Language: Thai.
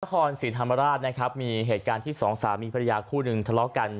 นครศรีธรรมราชนะครับมีเหตุการณ์ที่สองสามีภรรยาคู่หนึ่งทะเลาะกัน